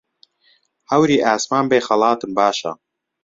هەوری ئاسمان بێ خەڵاتم باشە